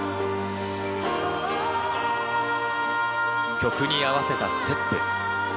曲に合わせたステップ。